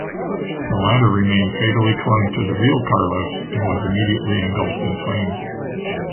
The latter remained fatally clung to the “Real Carlos” and was immediately engulfed in flames.